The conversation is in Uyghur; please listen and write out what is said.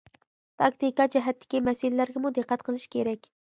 تاكتىكا جەھەتتىكى مەسىلىلەرگىمۇ دىققەت قىلىش كېرەك.